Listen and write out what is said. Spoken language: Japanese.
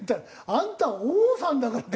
「あんた王さんだからだよ！」